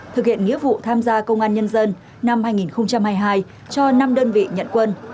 thực hiện nghĩa vụ tham gia công an nhân dân năm hai nghìn hai mươi hai cho năm đơn vị nhận quân